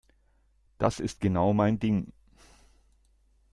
Das ist genau mein Ding.